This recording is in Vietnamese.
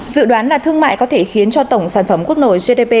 dự đoán là thương mại có thể khiến cho tổng sản phẩm quốc nội gdp